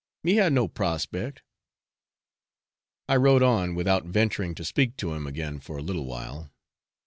me have no prospect!' I rode on without venturing to speak to him again for a little while.